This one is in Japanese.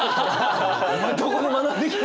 お前どこで学んできた？